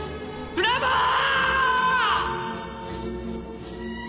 ブラボー！